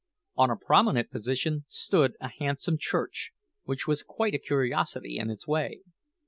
On a prominent position stood a handsome church, which was quite a curiosity in its way.